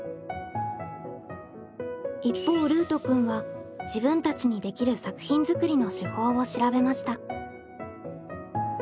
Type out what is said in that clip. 一方ルートくんは自分たちにできる作品作りの手法を調べました。